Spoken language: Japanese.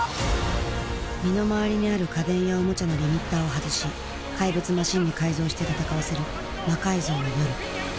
身の回りにある家電やおもちゃのリミッターを外し怪物マシンに改造して戦わせる「魔改造の夜」。